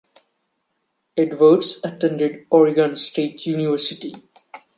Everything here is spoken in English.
Edwards attended Oregon State University.